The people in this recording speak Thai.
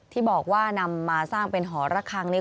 ที่บอกว่านำมาสร้างเป็นหอระคังนี้